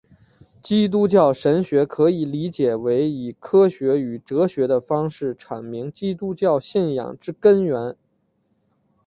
基督教神学可以理解为以科学与哲学的方式阐明基督教信仰之根源。